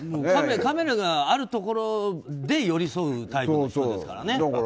カメラがあるところで寄り添うタイプの人だからね。